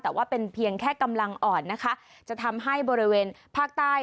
แต่ว่าเป็นเพียงแค่กำลังอ่อนนะคะจะทำให้บริเวณภาคใต้